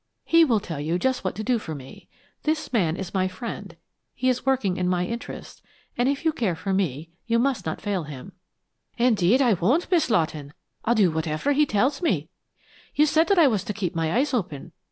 He will tell you just what to do for me. This man is my friend; he is working in my interests, and if you care for me you must not fail him." "Indeed I won't, Miss Lawton! I'll do whatever he tells me.... You said that I was to keep my eyes open.